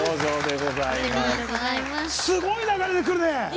すごい流れでくるね！